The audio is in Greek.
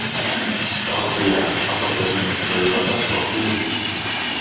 τα οποία αποτελούν προϊόντα κλοπής